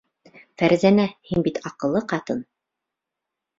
Фәрзәнә, һин бит аҡыллы ҡатын.